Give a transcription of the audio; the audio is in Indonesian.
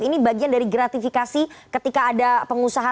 ini bagian dari gratifikasi ketika ada pengusaha